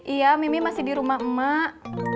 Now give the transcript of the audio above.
iya mimi masih di rumah emak emak